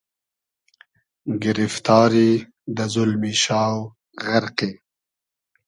گیریفتاری , دۂ زولمی شاو غئرقی